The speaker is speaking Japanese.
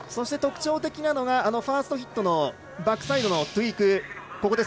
特徴的なのがファーストヒットのバックサイドのトゥイーク。